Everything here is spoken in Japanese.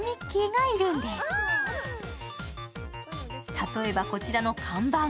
例えばこちらの看板。